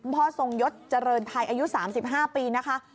ทรงยศเจริญไทยอายุ๓๕ปีนะคะ